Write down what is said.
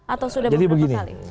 atau sudah pertama kali